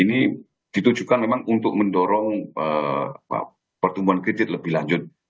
ini ditujukan memang untuk mendorong pertumbuhan kredit lebih lanjut